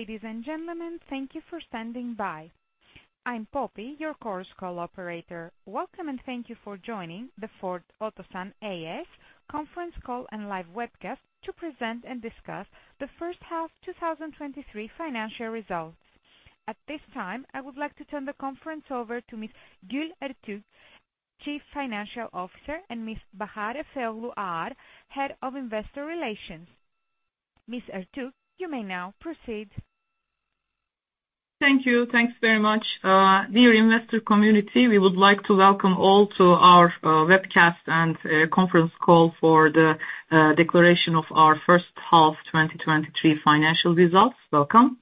Ladies and gentlemen, thank you for standing by. I'm Poppy, your Chorus Call operator. Welcome, and thank you for joining the Ford Otosan A.Ş. conference call and live webcast to present and discuss the first half 2023 financial results. At this time, I would like to turn the conference over to Miss Gülenay Ertuğ, Chief Financial Officer, and Miss Bahar Efeoğlu Ağar, Head of Investor Relations. Miss Ertuğ, you may now proceed. Thank you. Thanks very much. Dear investor community, we would like to welcome all to our webcast and conference call for the declaration of our first half 2023 financial results. Welcome.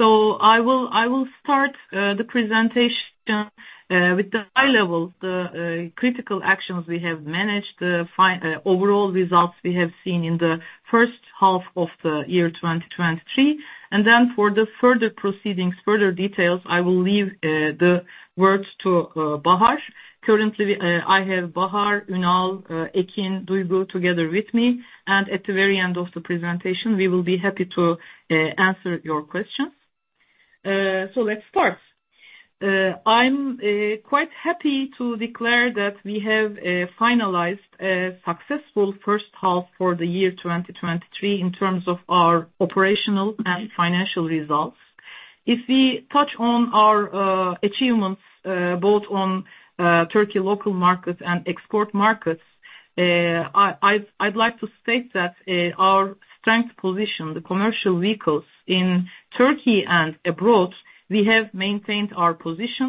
I will start the presentation with the high level critical actions we have managed, the overall results we have seen in the first half of the year 2023. Then for the further proceedings, further details, I will leave the words to Bahar. Currently, I have Bahar, Ünal, Ekin, Duygu together with me, and at the very end of the presentation, we will be happy to answer your questions. Let's start. I'm quite happy to declare that we have finalized a successful first half for the year 2023 in terms of our operational and financial results. If we touch on our achievements, both on Turkish local markets and export markets, I'd like to state that our strong position in the commercial vehicles in Turkey and abroad, we have maintained our position.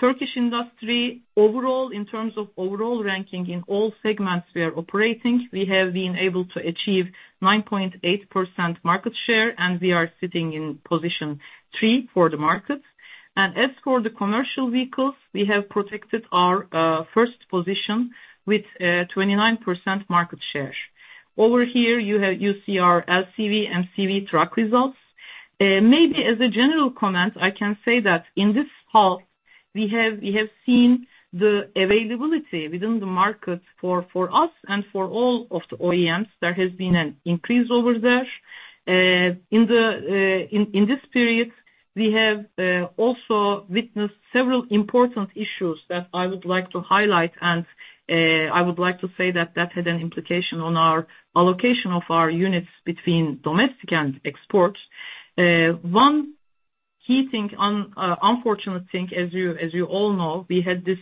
In the Turkish industry overall, in terms of overall ranking in all segments we are operating, we have been able to achieve 9.8% market share, and we are sitting in position three for the market. As for the commercial vehicles, we have protected our first position with 29% market share. Over here you see our LCV and CV truck results. Maybe as a general comment, I can say that in this half, we have seen the availability within the market for us and for all of the OEMs. There has been an increase over there. In this period, we have also witnessed several important issues that I would like to highlight and I would like to say that that had an implication on our allocation of our units between domestic and exports. One key thing, unfortunate thing, as you all know, we had this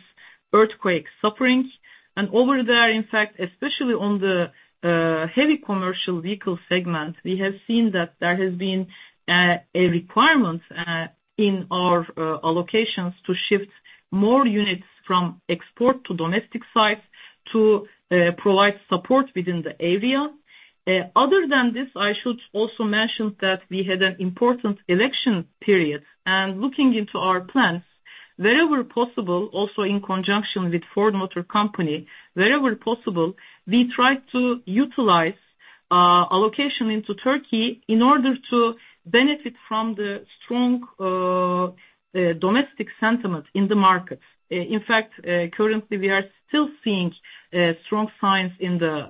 earthquake suffering. Over there, in fact, especially on the heavy commercial vehicle segment, we have seen that there has been a requirement in our allocations to shift more units from export to domestic sites to provide support within the area. Other than this, I should also mention that we had an important election period. Looking into our plans, wherever possible, also in conjunction with Ford Motor Company, wherever possible, we tried to utilize allocation into Turkey in order to benefit from the strong domestic sentiment in the market. In fact, currently, we are still seeing strong signs in the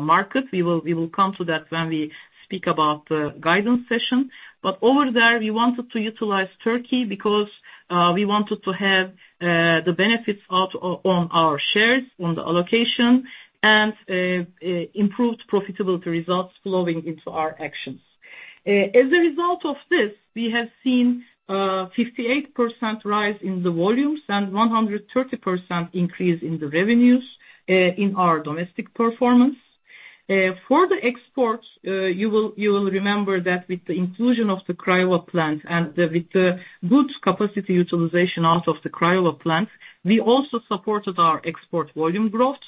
market. We will come to that when we speak about the guidance session. Over there, we wanted to utilize Turkey because we wanted to have the benefits out on our shares on the allocation and improved profitability results flowing into our actions. As a result of this, we have seen 58% rise in the volumes and 130% increase in the revenues in our domestic performance. For the exports, you will remember that with the inclusion of the Craiova plant and the good capacity utilization out of the Craiova plant, we also supported our export volume growth,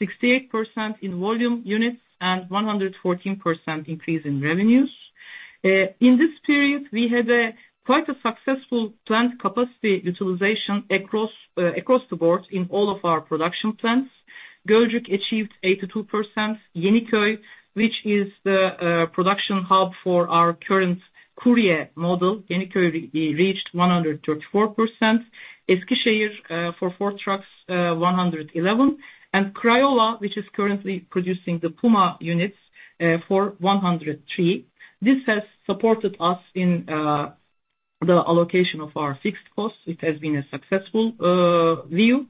68% in volume units and 114% increase in revenues. In this period, we had quite a successful plant capacity utilization across the board in all of our production plants. Gölcük achieved 82%. Yeniköy, which is the production hub for our current Courier model, reached 134%. Eskişehir for Ford Trucks 111%. Craiova, which is currently producing the Puma units, 103%. This has supported us in the allocation of our fixed costs, which has been a successful view.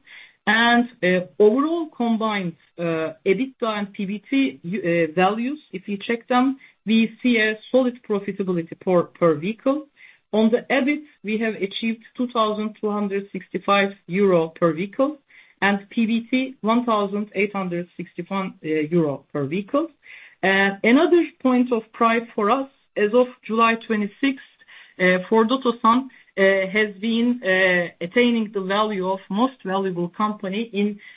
Overall combined EBITDA and PBT values, if you check them, we see a solid profitability per vehicle. On the EBIT, we have achieved 2,265 euro per vehicle and PBT 1,861 euro per vehicle. Another point of pride for us, as of July 26, Ford Otosan has been attaining the value of most valuable company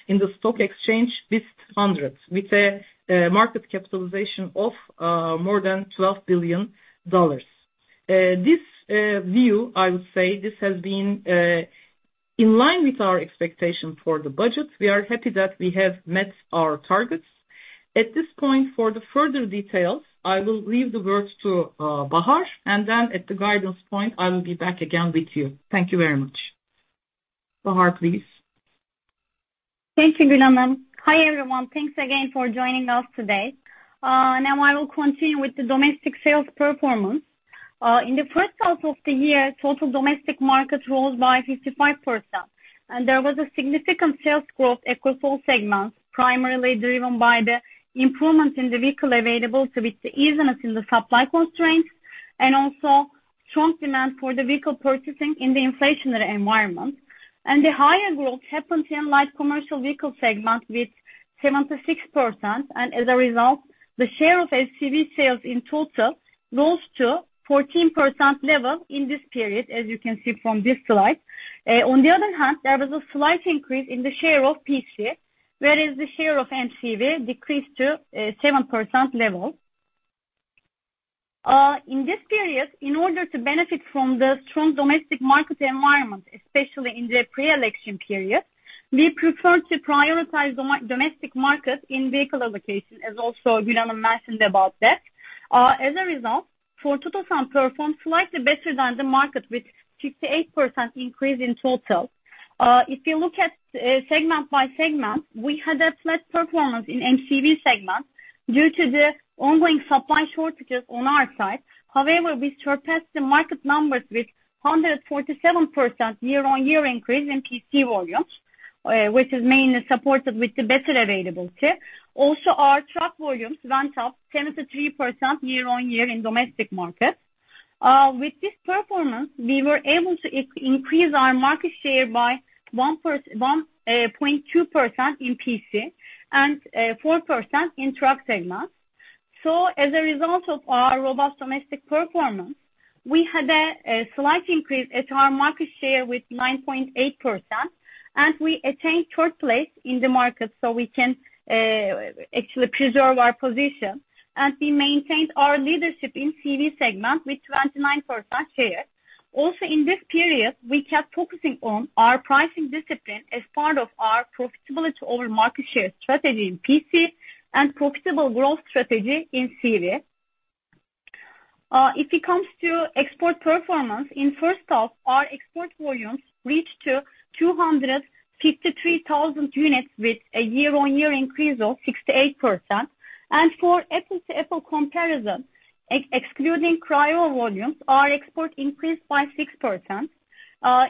in the stock exchange BIST 100, with a market capitalization of more than $12 billion. This view, I would say this has been in line with our expectation for the budget. We are happy that we have met our targets. At this point for the further details, I will leave the words to Bahar, and then at the guidance point, I will be back again with you. Thank you very much. Bahar, please. Thank you, Gülenay Ertuğ. Hi, everyone. Thanks again for joining us today. Now I will continue with the domestic sales performance. In the first half of the year, total domestic market rose by 55%. There was a significant sales growth across all segments, primarily driven by the improvement in the vehicle availability with the easiness in the supply constraints, and also strong demand for the vehicle purchasing in the inflationary environment. The higher growth happened in light commercial vehicle segment with 76%. As a result, the share of SCV sales in total rose to 14% level in this period, as you can see from this slide. On the other hand, there was a slight increase in the share of PC, whereas the share of MCV decreased to 7% level. In this period, in order to benefit from the strong domestic market environment, especially in the pre-election period, we prefer to prioritize domestic market in vehicle allocation, as also Gülenay Ertuğ mentioned about that. As a result, Ford Otosan performed slightly better than the market, with 58% increase in total. If you look at segment by segment, we had a flat performance in MCV segment due to the ongoing supply shortages on our side. However, we surpassed the market numbers with 147% year-over-year increase in PC volumes, which is mainly supported with the better availability. Also, our truck volumes went up 73% year-over-year in domestic market. With this performance, we were able to increase our market share by 1.2% in PC and 4% in truck segment. As a result of our robust domestic performance, we had a slight increase at our market share with 9.8%, and we attained fourth place in the market, so we can actually preserve our position. We maintained our leadership in CV segment with 29% share. Also, in this period, we kept focusing on our pricing discipline as part of our profitability over market share strategy in PC and profitable growth strategy in CV. If it comes to export performance, in first half, our export volumes reached 253,000 units with a year-on-year increase of 68%. For apples-to-apples comparison, excluding Craiova volumes, our export increased by 6%.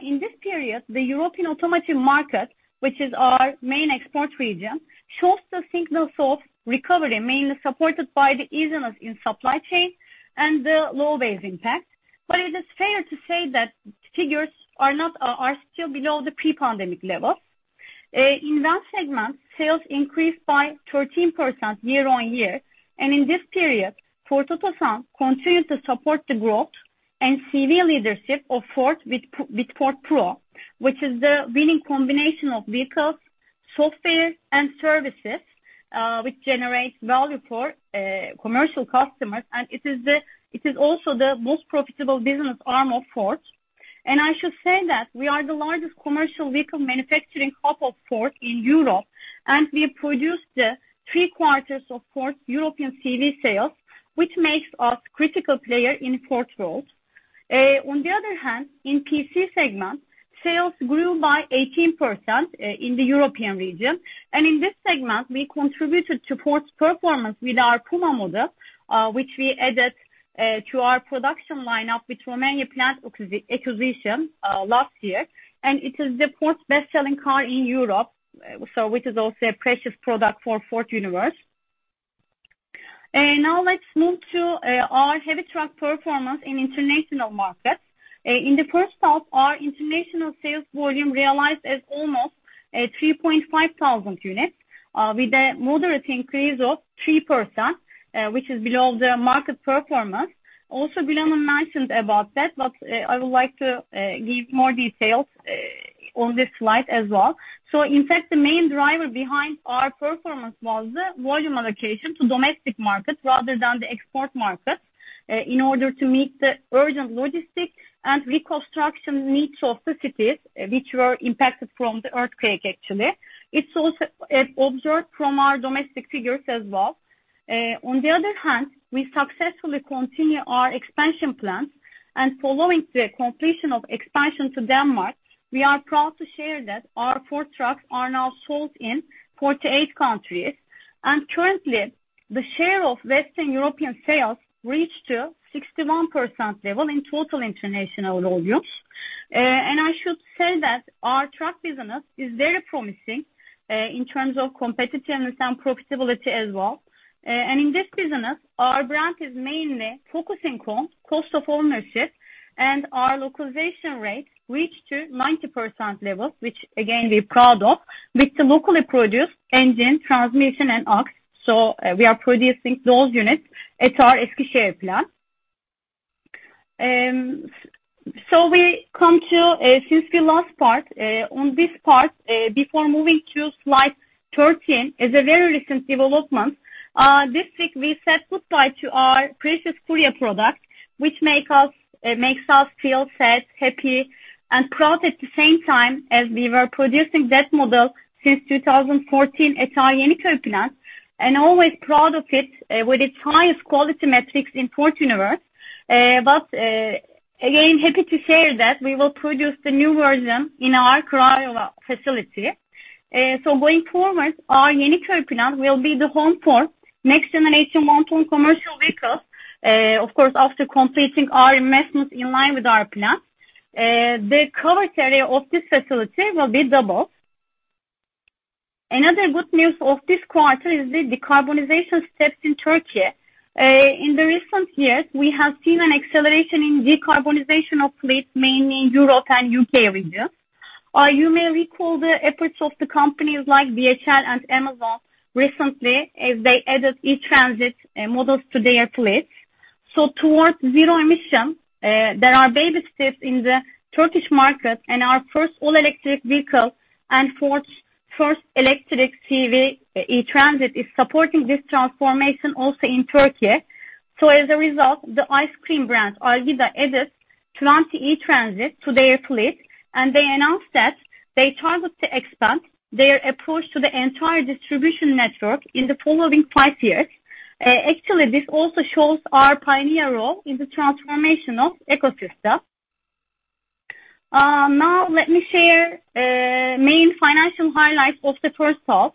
In this period, the European automotive market, which is our main export region, shows the signals of recovery, mainly supported by the easiness in supply chain and the low base impact. It is fair to say that figures are still below the pre-pandemic level. In van segment, sales increased by 13% year-on-year. In this period, Ford Otosan continued to support the growth and CV leadership of Ford with Ford Pro, which is the winning combination of vehicles, software and services, which generates value for commercial customers. It is also the most profitable business arm of Ford. I should say that we are the largest commercial vehicle manufacturing hub of Ford in Europe, and we produce three quarters of Ford European CV sales, which makes us critical player in Ford's growth. On the other hand, in PC segment, sales grew by 18% in the European region. In this segment we contributed to Ford's performance with our Puma model, which we added to our production line-up with Romania plant acquisition last year. It is Ford's best-selling car in Europe, so which is also a precious product for Ford universe. Now let's move to our heavy truck performance in international markets. In the first half, our international sales volume realized as almost 3,500 units with a moderate increase of 3%, which is below the market performance. Also, Gülenay mentioned about that, but I would like to give more details on this slide as well. In fact, the main driver behind our performance was the volume allocation to domestic markets rather than the export markets, in order to meet the urgent logistics and reconstruction needs of the cities which were impacted from the earthquake, actually. It's also observed from our domestic figures as well. On the other hand, we successfully continue our expansion plans. Following the completion of expansion to Denmark, we are proud to share that our Ford Trucks are now sold in 48 countries. Currently, the share of Western European sales reached to 61% level in total international volumes. I should say that our truck business is very promising, in terms of competitiveness and profitability as well. In this business, our brand is mainly focusing on cost of ownership, and our localization rate reached to 90% level, which again, we are proud of, with the locally produced engine, transmission and axle. We are producing those units at our Eskişehir plant. We come to the last part. On this part, before moving to slide 13, as a very recent development, this week we said goodbye to our precious Courier product, which makes us feel sad, happy and proud at the same time as we were producing that model since 2014 at our Yeniköy plant. Always proud of it, with its highest quality metrics in Ford universe. But again, happy to share that we will produce the new version in our Craiova facility. Going forward, our Yeniköy plant will be the home for next-generation medium commercial vehicle. Of course, after completing our investments in line with our plans. The covered area of this facility will be double. Another good news of this quarter is the decarbonization steps in Turkey. In the recent years, we have seen an acceleration in decarbonization of fleet, mainly in Europe and UK region. You may recall the efforts of the companies like DHL and Amazon recently as they added E-Transit models to their fleet. Towards zero emission, there are baby steps in the Turkish market and our first all-electric vehicle and Ford's first electric E-Transit is supporting this transformation also in Turkey. As a result, the ice cream brand Algida added 20 E-Transit to their fleet, and they announced that they target to expand their approach to the entire distribution network in the following five years. Actually, this also shows our pioneer role in the transformation of ecosystem. Now let me share main financial highlights of the first half.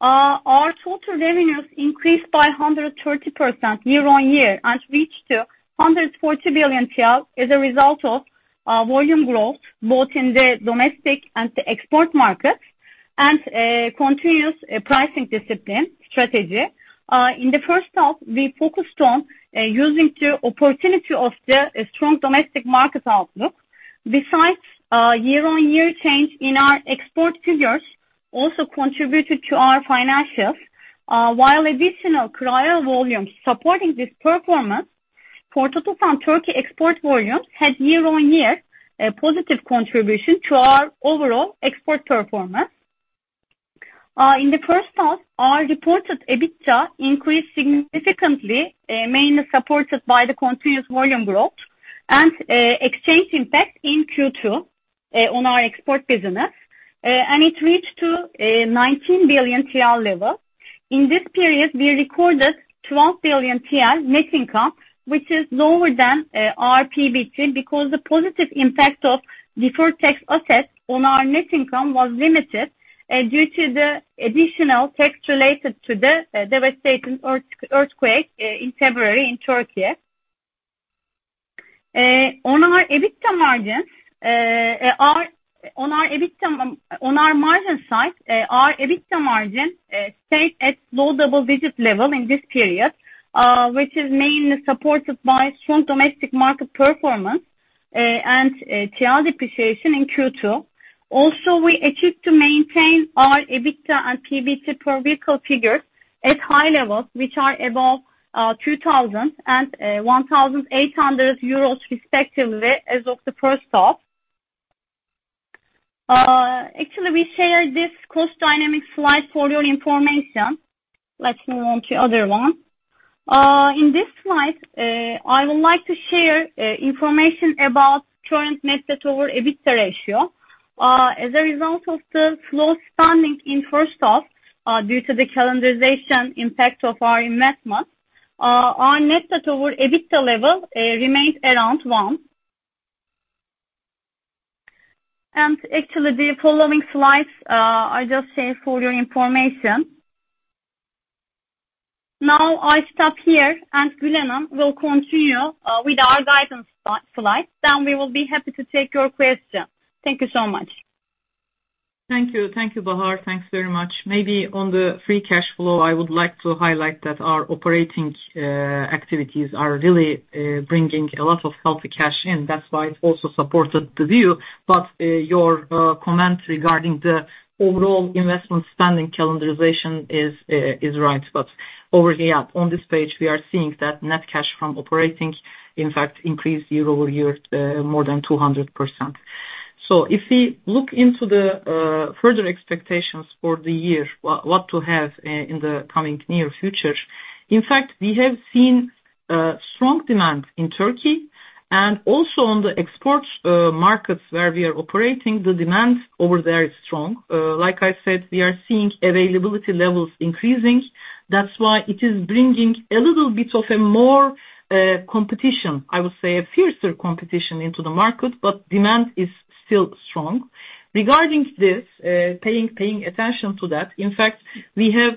Our total revenues increased by 130% year-on-year and reached to 140 billion TL as a result of volume growth, both in the domestic and the export markets and continuous pricing discipline strategy. In the first half, we focused on using the opportunity of the strong domestic market outlook. Besides, year-on-year change in our export figures also contributed to our financials. While additional Craiova volumes supporting this performance, Ford Otosan Turkey export volume had year-on-year positive contribution to our overall export performance. In the first half, our reported EBITDA increased significantly, mainly supported by the continuous volume growth and exchange impact in Q2 on our export business. It reached to 19 billion TL level. In this period, we recorded 12 billion TL net income, which is lower than our PBT, because the positive impact of deferred tax assets on our net income was limited due to the additional tax related to the devastating earthquake in February in Turkey. On our EBITDA margins, our On our margin side, our EBITDA margin stayed at low double-digit level in this period, which is mainly supported by strong domestic market performance, and TL depreciation in Q2. Also, we achieved to maintain our EBITDA and PBT per vehicle figures at high levels, which are above 2,000 and 1,800 euros respectively as of the first half. Actually, we share this cost dynamic slide for your information. Let's move on to other one. In this slide, I would like to share information about current net debt over EBITDA ratio. As a result of the slow spending in first half, due to the calendarization impact of our investments, our net debt over EBITDA level remains around one. Actually, the following slides I just share for your information. Now I stop here, and Gülenay will continue with our guidance slides. We will be happy to take your questions. Thank you so much. Thank you. Thank you, Bahar. Thanks very much. Maybe on the free cash flow, I would like to highlight that our operating activities are really bringing a lot of healthy cash in. That's why it also supported the view. Your comment regarding the overall investment spending calendarization is right. Over here, on this page, we are seeing that net cash from operating, in fact, increased year-over-year more than 200%. If we look into the further expectations for the year, what to have in the coming near future. In fact, we have seen strong demand in Turkey and also on the export markets where we are operating, the demand over there is strong. Like I said, we are seeing availability levels increasing. That's why it is bringing a little bit of a more competition, I would say, a fiercer competition into the market, but demand is still strong. Regarding this, paying attention to that, in fact, we have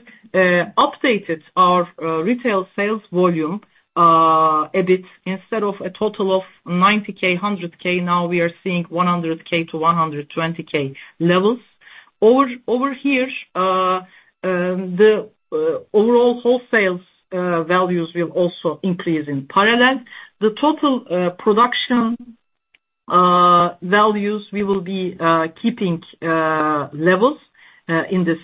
updated our retail sales volume a bit. Instead of a total of 90K, 100K, now we are seeing 100K-120K levels. Over here, the overall wholesale values will also increase in parallel. The total production values we will be keeping levels in this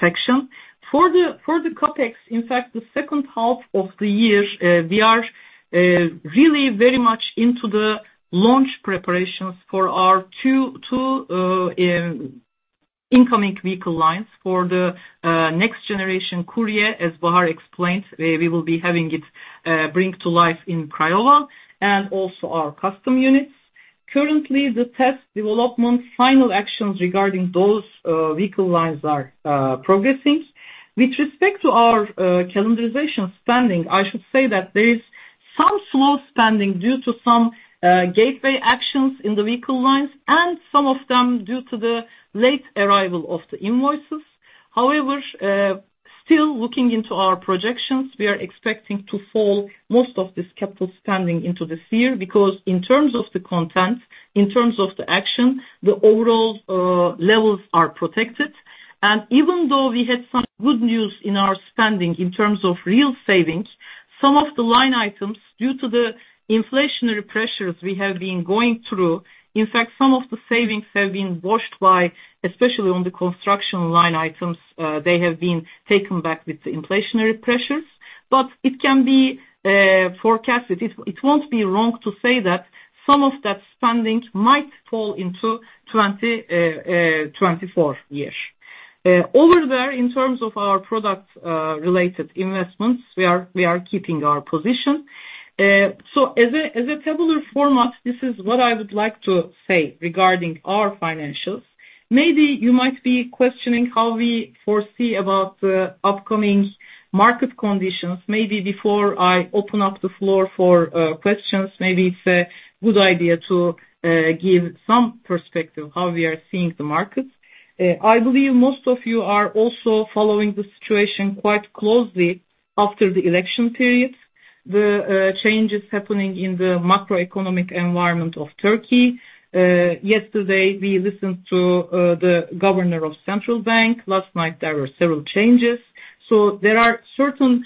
section. For the CapEx, in fact, the second half of the year, we are really very much into the launch preparations for our two incoming vehicle lines for the next generation Courier, as Bahar explained. We will be having it bring to life in Craiova and also our custom units. Currently, the test development final actions regarding those vehicle lines are progressing. With respect to our calendarization spending, I should say that there is some slow spending due to some gateway actions in the vehicle lines and some of them due to the late arrival of the invoices. However, still looking into our projections, we are expecting to fall most of this capital spending into this year because in terms of the content, in terms of the action, the overall levels are protected. Even though we had some good news in our spending in terms of real savings, some of the line items, due to the inflationary pressures we have been going through, in fact, some of the savings have been washed by, especially on the construction line items, they have been taken back with the inflationary pressures, but it can be forecasted. It won't be wrong to say that some of that spending might fall into 2024 year. Over there, in terms of our product related investments, we are keeping our position. So as a tabular format, this is what I would like to say regarding our financials. Maybe you might be questioning how we foresee about the upcoming market conditions. Maybe before I open up the floor for questions, maybe it's a good idea to give some perspective how we are seeing the markets. I believe most of you are also following the situation quite closely after the election period. The changes happening in the macroeconomic environment of Turkey. Yesterday, we listened to the governor of Central Bank. Last night, there were several changes. There are certain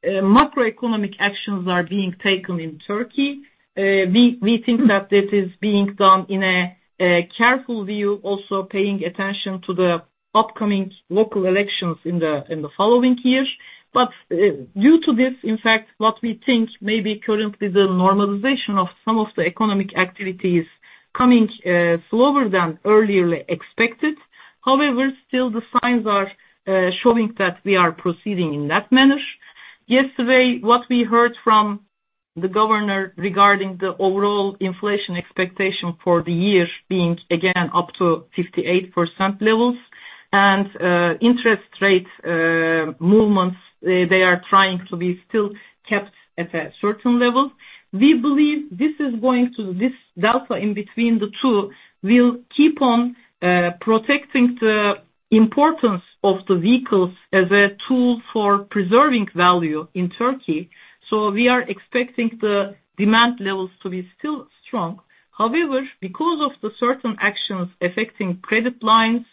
macroeconomic actions are being taken in Turkey. We think that this is being done in a careful view, also paying attention to the upcoming local elections in the following years. Due to this, in fact, what we think may be currently the normalization of some of the economic activities coming slower than earlier expected. However, still the signs are showing that we are proceeding in that manner. Yesterday, what we heard from the governor regarding the overall inflation expectation for the year being again up to 58% levels and, interest rates, movements, they are trying to be still kept at a certain level. We believe this delta in between the two will keep on protecting the importance of the vehicles as a tool for preserving value in Turkey. We are expecting the demand levels to be still strong. However, because of the certain actions affecting credit lines,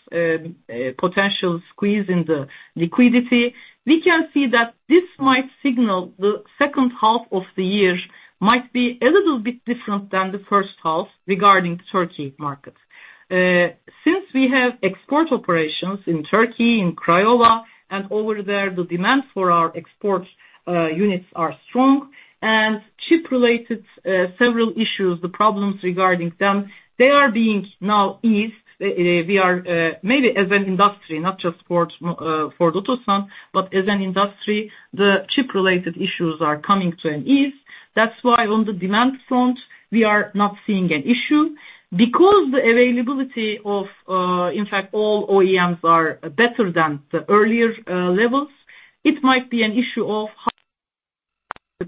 potential squeeze in the liquidity, we can see that this might signal the second half of the year might be a little bit different than the first half regarding Turkey market. Since we have export operations in Turkey, in Craiova, and over there, the demand for our export units are strong. Chip-related several issues, the problems regarding them, they are being now eased. We are maybe as an industry, not just for Otosan, but as an industry, the chip-related issues are coming to an ease. That's why on the demand front, we are not seeing an issue. Because the availability of, in fact, all OEMs are better than the earlier levels, it might be an issue of how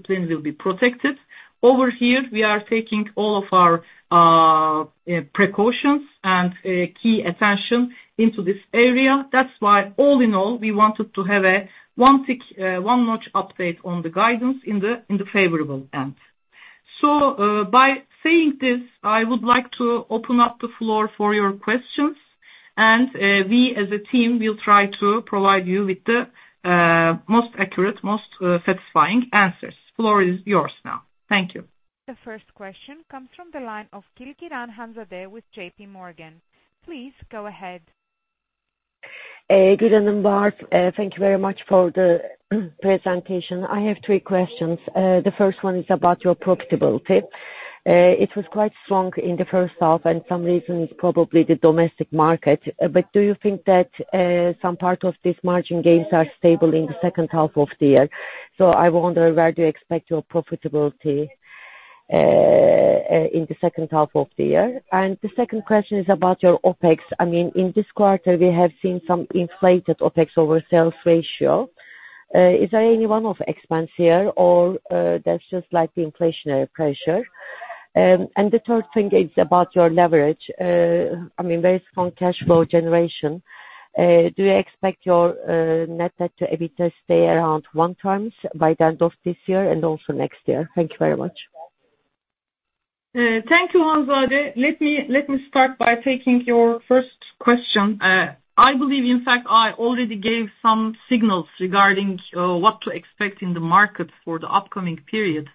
will be protected. Over here, we are taking all of our precautions and key attention into this area. That's why, all in all, we wanted to have a one notch update on the guidance in the favorable end. By saying this, I would like to open up the floor for your questions and we as a team will try to provide you with the most accurate, most satisfying answers. Floor is yours now. Thank you. The first question comes from the line of Hanzade Kilickiran with J.P. Morgan. Please go ahead. Good evening. Thank you very much for the presentation. I have three questions. The first one is about your profitability. It was quite strong in the first half and some reasons probably the domestic market. Do you think that some part of this margin gains are stable in the second half of the year? I wonder where do you expect your profitability in the second half of the year. The second question is about your OPEX. I mean, in this quarter, we have seen some inflated OPEX over sales ratio. Is there any one-off expense here or that's just like the inflationary pressure? And the third thing is about your leverage. I mean, very strong cash flow generation. Do you expect your net debt to EBITDA to stay around 1x by the end of this year and also next year? Thank you very much. Thank you, Hanzade. Let me start by taking your first question. I believe, in fact, I already gave some signals regarding what to expect in the market for the upcoming period.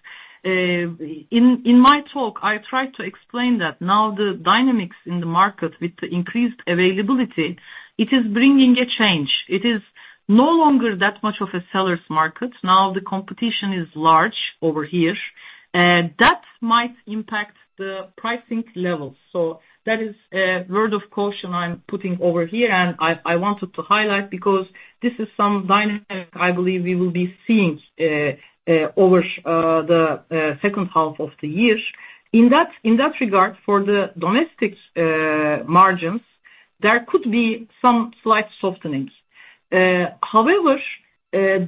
In my talk, I tried to explain that now the dynamics in the market with the increased availability, it is bringing a change. It is no longer that much of a seller's market. Now the competition is large over here. That might impact the pricing levels. That is a word of caution I'm putting over here. I wanted to highlight because this is some dynamic I believe we will be seeing over the second half of the year. In that regard, for the domestic margins, there could be some slight softenings. However,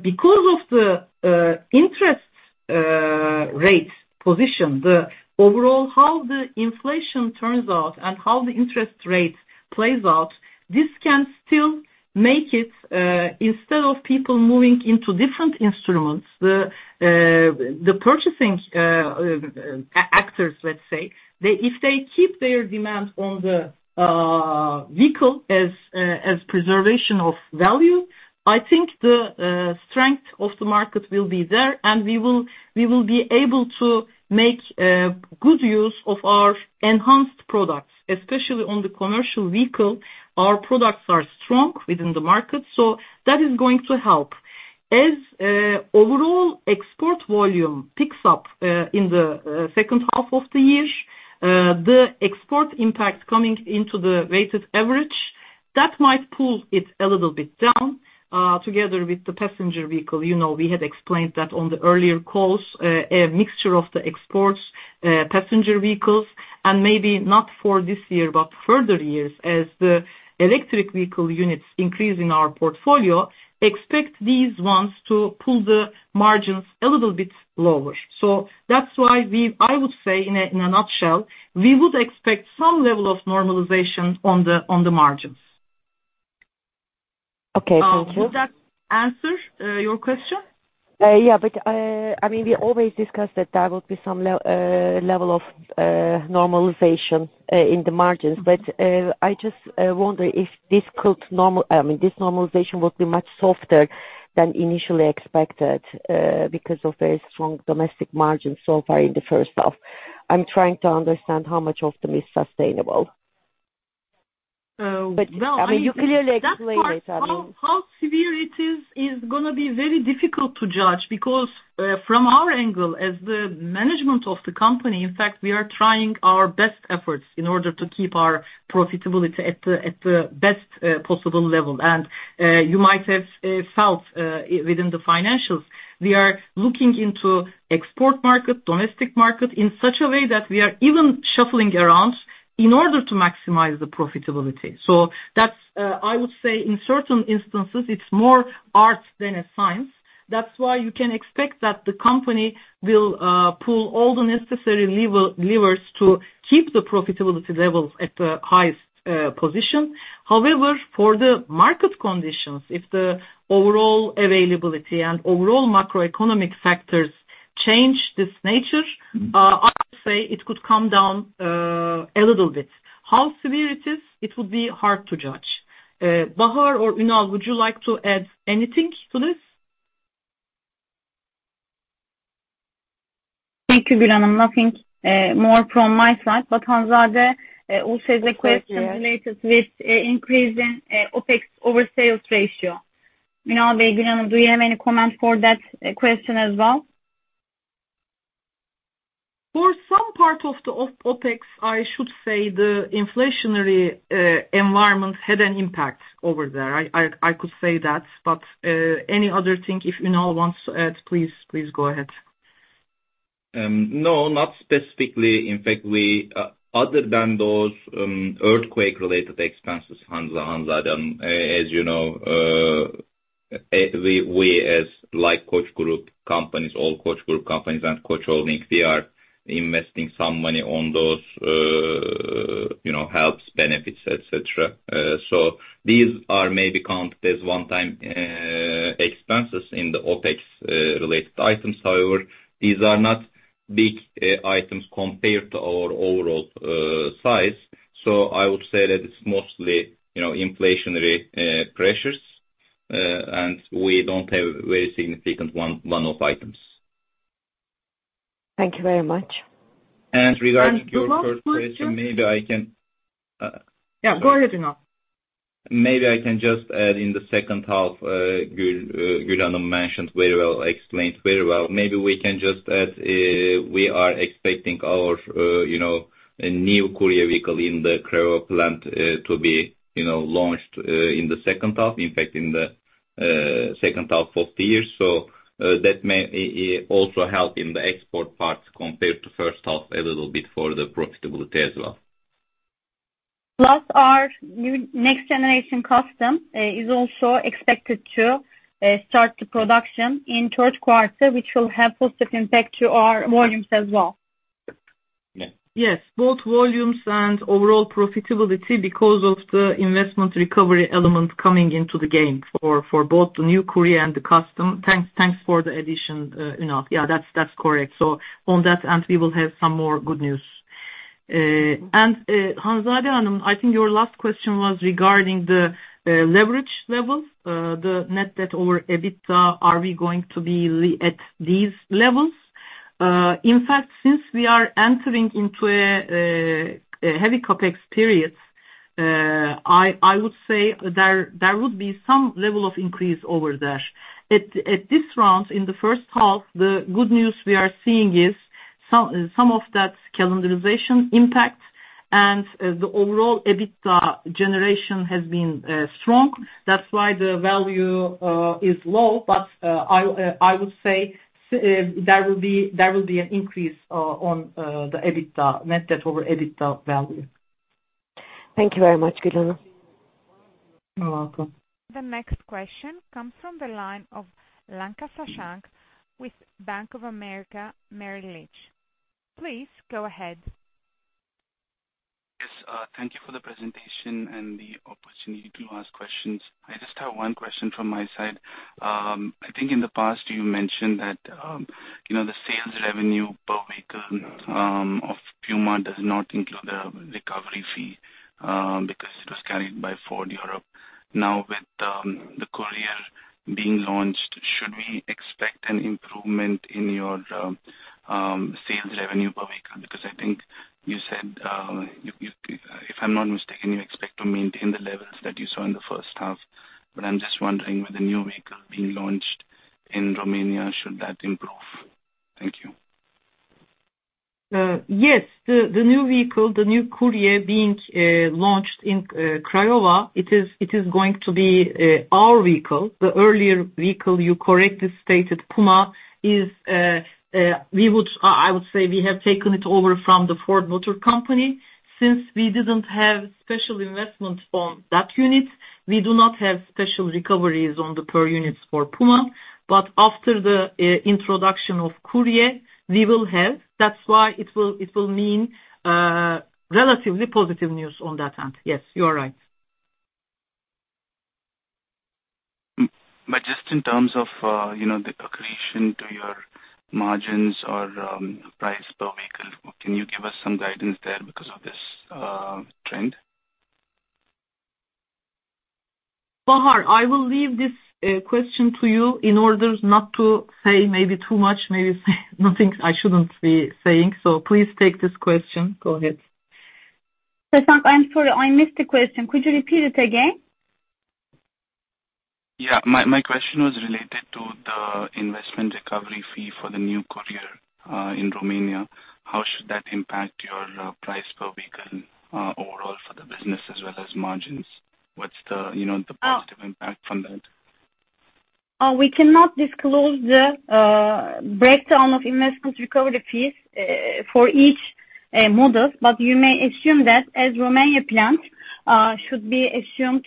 because of the interest rate position, the overall how the inflation turns out and how the interest rate plays out, this can still make it, instead of people moving into different instruments, the purchasing actors, let's say, they if they keep their demand on the vehicle as preservation of value, I think the strength of the market will be there and we will be able to make good use of our enhanced products. Especially on the commercial vehicle, our products are strong within the market, so that is going to help. As overall export volume picks up in the second half of the year, the export impact coming into the weighted average, that might pull it a little bit down together with the passenger vehicle. You know, we had explained that on the earlier calls, a mixture of the exports, passenger vehicles, and maybe not for this year, but further years as the electric vehicle units increase in our portfolio, expect these ones to pull the margins a little bit lower. That's why we, I would say in a, in a nutshell, we would expect some level of normalization on the, on the margins. Okay, thank you. Does that answer your question? Yeah, I mean, we always discuss that there will be some level of normalization in the margins. I just wonder if this normalization would be much softer than initially expected, because of a strong domestic margin so far in the first half. I'm trying to understand how much of them is sustainable. Well, you- I mean, you clearly explained it, I mean. That part, how severe it is gonna be very difficult to judge because from our angle as the management of the company, in fact, we are trying our best efforts in order to keep our profitability at the best possible level. You might have felt within the financials, we are looking into export market, domestic market in such a way that we are even shuffling around in order to maximize the profitability. That's, I would say in certain instances it's more art than a science. That's why you can expect that the company will pull all the necessary levers to keep the profitability levels at the highest position. However, for the market conditions, if the overall availability and overall macroeconomic factors change this nature- Mm-hmm. I would say it could come down, a little bit. How severe it is, it would be hard to judge. Bahar or Ünal, would you like to add anything to this? Thank you, Gül Hanım. Nothing more from my side. Hanzade also has a question related with increasing OPEX over sales ratio. Ünal, Gül Hanım, do you have any comment for that question as well? For some part of the OPEX, I should say the inflationary environment had an impact over there. I could say that, but any other thing, if Ünal wants to add, please go ahead. No, not specifically. In fact, we, other than those, earthquake-related expenses, Hanzade Kilickiran, as you know, we as like Koç Group companies, all Koç Group companies and Koç Holding, we are investing some money on those, you know, helps, benefits, et cetera. So these are maybe count as one-time, expenses in the OPEX, related items. However, these are not big, items compared to our overall, size. So I would say that it's mostly, you know, inflationary, pressures. We don't have very significant one-off items. Thank you very much. Regarding your first question. Ünal, one second. Maybe I can. Yeah, go ahead, Ünal. Maybe I can just add in the second half, Gül Hanım mentioned very well, explained very well. Maybe we can just add, we are expecting our, you know, new Puma vehicle in the Craiova plant, to be, you know, launched, in the second half, in fact, in the second half of the year. That may also help in the export parts compared to first half a little bit for the profitability as well. Plus our new next-generation Ford Transit Custom is also expected to start the production in third quarter, which will have positive impact to our volumes as well. Yeah. Yes. Both volumes and overall profitability because of the investment recovery element coming into the game for both the new Courier and the Custom. Thanks for the addition, Ünal. Yeah, that's correct. On that end, we will have some more good news. Hanzade Hanım, I think your last question was regarding the leverage levels, the net debt over EBITDA, are we going to be at these levels? In fact, since we are entering into a heavy CapEx period, I would say there would be some level of increase over there. At this round in the first half, the good news we are seeing is some of that calendarization impact and the overall EBITDA generation has been strong. That's why the value is low. I would say there will be an increase in the net debt over EBITDA value. Thank you very much, Gül Hanım. The next question comes from the line of Sashank Lanka with Bank of America Merrill Lynch. Please go ahead. Yes, thank you for the presentation and the opportunity to ask questions. I just have one question from my side. I think in the past you mentioned that, you know, the sales revenue per vehicle of Puma does not include a recovery fee, because it was carried by Ford Europe. Now, with the Courier being launched, should we expect an improvement in your sales revenue per vehicle? Because I think you said, if I'm not mistaken, you expect to maintain the levels that you saw in the first half, but I'm just wondering with the new vehicle being launched in Romania, should that improve? Thank you. Yes. The new vehicle, the new Courier being launched in Craiova, it is going to be our vehicle. The earlier vehicle, you correctly stated, Puma, is. I would say we have taken it over from the Ford Motor Company. Since we didn't have special investments from that unit, we do not have special recoveries on the per units for Puma. After the introduction of Courier, we will have. That's why it will mean relatively positive news on that end. Yes, you are right. Just in terms of, you know, the accretion to your margins or price per vehicle, can you give us some guidance there because of this trend? Bahar, I will leave this question to you in order not to say maybe too much, maybe say nothing I shouldn't be saying, so please take this question. Go ahead. Sashank, I'm sorry, I missed the question. Could you repeat it again? Yeah. My question was related to the investment recovery fee for the new Courier in Romania. How should that impact your price per vehicle overall for the business as well as margins? What's the, you know, the positive impact from that? We cannot disclose the breakdown of investments recovery fees for each model. You may assume that as Romania plant should be assumed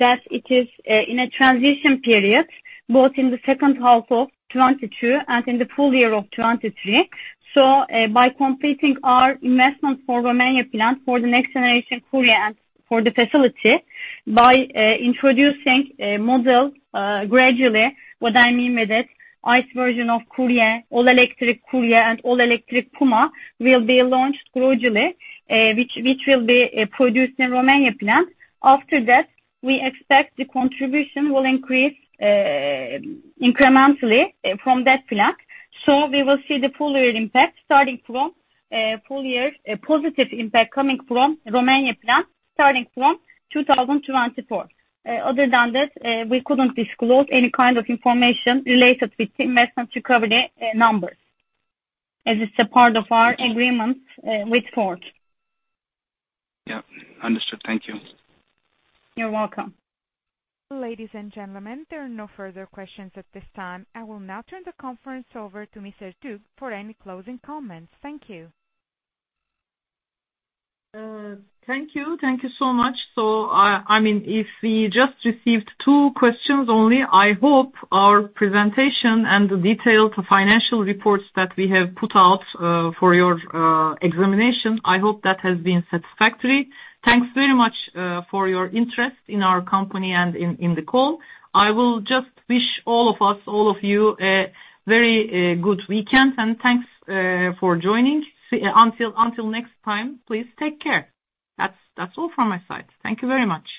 that it is in a transition period, both in the second half of 2022 and in the full year of 2023. By completing our investment for Romania plant for the next generation Courier and for the facility, by introducing a model gradually, what I mean with it, ICE version of Courier, all electric Courier and all electric Puma will be launched gradually, which will be produced in Romania plant. After that, we expect the contribution will increase incrementally from that plant. We will see the full year impact starting from full year positive impact coming from Romania plant starting from 2024. Other than that, we couldn't disclose any kind of information related with the investment recovery numbers, as it's a part of our agreement with Ford. Yeah. Understood. Thank you. You're welcome. Ladies and gentlemen, there are no further questions at this time. I will now turn the conference over to Ms. Gülenay Ertuğ for any closing comments. Thank you. Thank you. Thank you so much. I mean, if we just received two questions only, I hope our presentation and the detailed financial reports that we have put out for your examination has been satisfactory. Thanks very much for your interest in our company and in the call. I will just wish all of us, all of you, a very good weekend. Thanks for joining. Until next time, please take care. That's all from my side. Thank you very much.